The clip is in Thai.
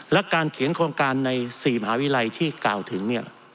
และการเขียนโครงการใน๔มหาวิทยาลัยที่กล่าวถึงเนี่ย